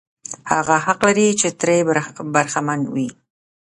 هغه حق لري چې ترې برخمن وي.